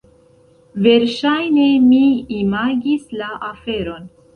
Verŝajne mi imagis la aferon!